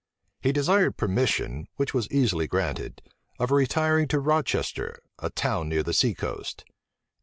He desired permission, which was easily granted, of retiring to Rochester, a town near the sea coast.